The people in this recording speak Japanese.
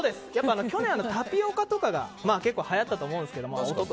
去年のタピオカとかが結構はやったと思いますけど。